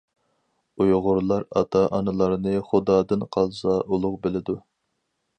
ئۇيغۇرلار ئاتا- ئانىلارنى خۇدادىن قالسا ئۇلۇغ بىلىدۇ.